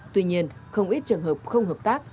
tuy nhiên không ít trường hợp không hợp tác